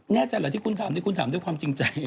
แน่ใจเหรอที่คุณถามนี่คุณถามด้วยความจริงใจ